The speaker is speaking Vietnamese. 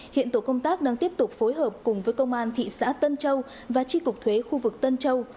hiện tổ công tác đang tiếp tục phối hợp cùng với công an thị xã tân châu và tri cục thuế khu vực tân châu